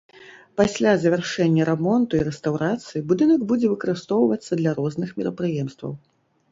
Пасля завяршэння рамонту і рэстаўрацыі, будынак будзе выкарыстоўвацца для розных мерапрыемстваў.